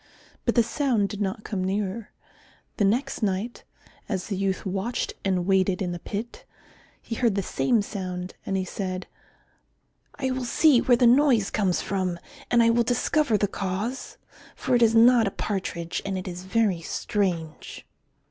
But the sound did not come nearer. The next night, as the youth watched and waited in the pit, he heard the same sound, and he said, "I will see where the noise comes from and I will discover the cause, for it is not a partridge, and it is very strange."